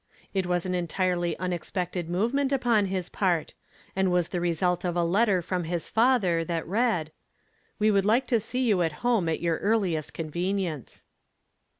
It was an entirely unexpected move ment upon his part, and was the result of a letter from his lather tiiat read :—" We would like to see you at home at your earliest convenience."